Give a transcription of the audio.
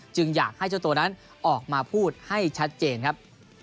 อยากให้เจ้าตัวนั้นออกมาพูดให้ชัดเจนครับ